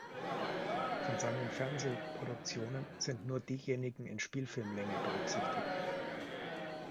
Von seinen Fernseh-Produktionen sind nur diejenigen in Spielfilmlänge berücksichtigt.